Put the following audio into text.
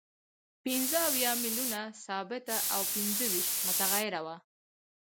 پنځه اویا میلیونه ثابته او پنځه ویشت متغیره وه